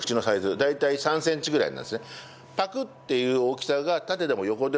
大体３センチぐらいなんですね。